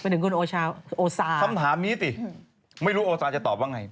ถึงคุณโอชาโอซาคำถามนี้สิไม่รู้โอซาจะตอบว่าไง